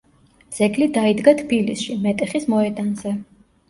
ძეგლი დაიდგა თბილისში, მეტეხის მოედანზე.